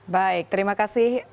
baik terima kasih